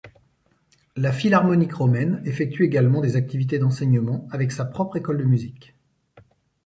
La Philharmonique Romaine effectue également des activités d'enseignement, avec sa propre École de musique.